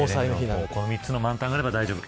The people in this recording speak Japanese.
この３つの満タンがあれば大丈夫。